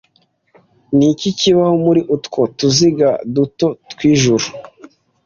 Niki kibaho muri utwo tuziga duto mwijuru